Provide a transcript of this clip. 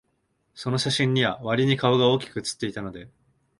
その写真には、わりに顔が大きく写っていたので、